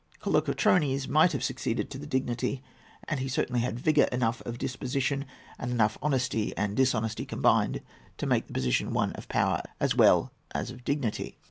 Kolokotrones might have succeeded to the dignity, and he certainly had vigour enough of disposition, and enough honesty and dishonesty combined, to make the position one of power as well as of dignity.